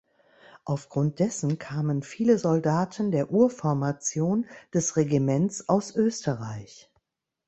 Aufgrund dessen kamen viele Soldaten der „Urformation“ des Regiments aus Österreich.